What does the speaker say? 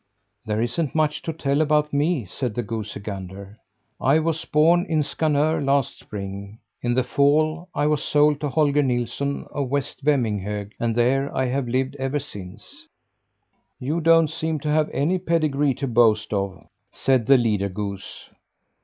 "There isn't much to tell about me," said the goosey gander. "I was born in Skanor last spring. In the fall I was sold to Holger Nilsson of West Vemminghög, and there I have lived ever since." "You don't seem to have any pedigree to boast of," said the leader goose.